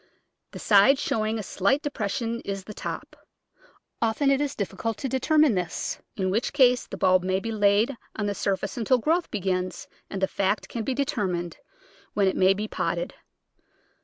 The side showing a slight depression is the top. Often it is difficult to determine this, in which case the bulb may be laid on the surface until growth begins and the fact can be determined, when it may be potted.